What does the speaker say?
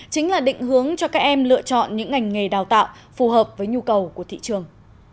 chính là định hướng cho các em lựa chọn những ngành nghề đào tạo phù hợp với nhu cầu của thị trường